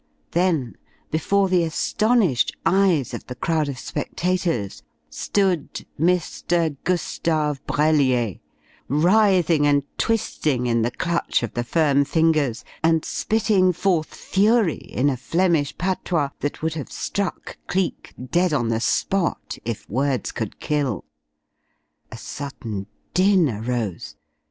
Then, before the astonished eyes of the crowd of spectators stood Mr. Gustave Brellier, writhing and twisting in the clutch of the firm fingers and spitting forth fury in a Flemish patois that would have struck Cleek dead on the spot if words could kill. A sudden din arose.